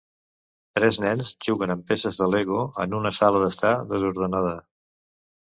Tres nens juguen amb peces de Lego en una sala d'estar desordenada.